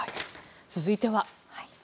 続いては。